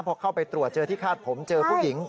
พอเข้าไปตรวจเจอที่คาดผมเจอผู้หญิง